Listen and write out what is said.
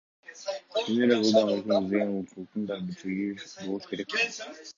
Жөн эле кылдан кыйкым издеген улутчулдуктун да чеги болуш керек ко.